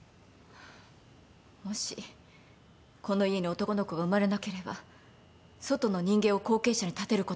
もしこの家に男の子が生まれなければ外の人間を後継者に立てることになるわ。